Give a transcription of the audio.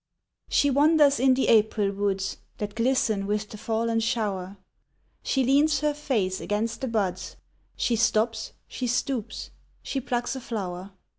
She wanders in the April woods, That glisten with the fallen shower; She leans her face against the buds, She stops, she stoops, she plucks a flower.